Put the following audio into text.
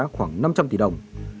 khoảng năm trăm linh tỷ đồng